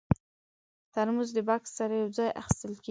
ترموز د بکس سره یو ځای اخیستل کېږي.